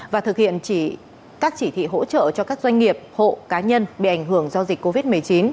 và thực hiện các chỉ thị hỗ trợ cho các doanh nghiệp hộ cá nhân bị ảnh hưởng do dịch covid một mươi chín